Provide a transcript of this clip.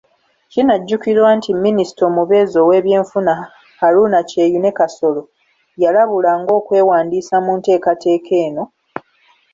Kinajjukirwa nti Minisita omubeezi ow'ebyenfuna, Haruna Kyeyune Kasolo, yalabula ng'okwewandiisa mu nteekateeka eno .